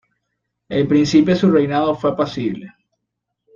El principio de su reinado fue apacible.